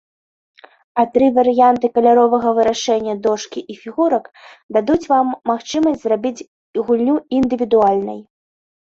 А тры варыянты каляровага вырашэння дошкі і фігурак дадуць вам магчымасць зрабіць гульню індывідуальнай.